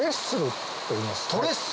といいます。